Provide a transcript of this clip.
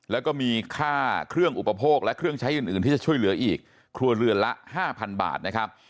แล้วก็มีค่าเครื่องอุปโภคและเครื่องใช้อื่นที่จะช่วยเหลืออีกครัวเรือนละ๕๐๐บาทนะครับ